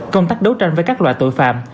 công tác đấu tranh với các loại tội phạm